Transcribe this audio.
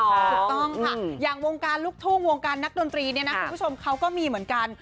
ถูกต้องค่ะอย่างวงการลูกทุ่งวงการนักดนตรีเนี่ยนะคุณผู้ชมเขาก็มีเหมือนกัน